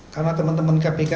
karena teman teman kpk